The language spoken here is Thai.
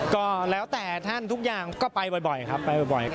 ก็แล้วแต่ท่านทุกอย่างก็ไปบ่อยครับไปบ่อย